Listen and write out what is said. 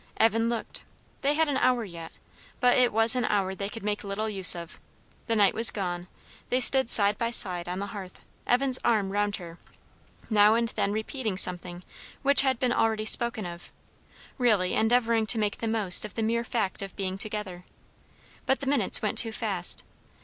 Evan looked. They had an hour yet; but it was an hour they could make little use of. The night was gone. They stood side by side on the hearth, Evan's arm round her; now and then repeating something which had been already spoken of; really endeavouring to make the most of the mere fact of being together. But the minutes went too fast.